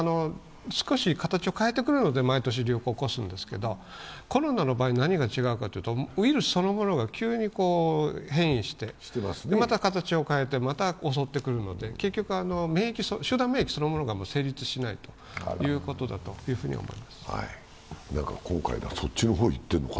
少し形を変えてくるので毎年流行を起こすんですけど、コロナの場合何が違うかというと、ウイルスそのものが急に変異して、また形を変えてまた襲ってくるので集団免疫そのものが成立しないということだと思います。